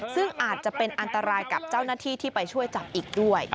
ซึ่งอาจจะเป็นอันตรายกับเจ้าหน้าที่ที่ไปช่วยจับอีกด้วย